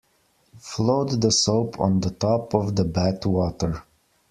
Float the soap on top of the bath water.